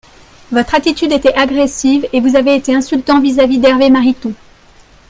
Votre attitude était agressive et vous avez été insultant vis-à-vis d’Hervé Mariton.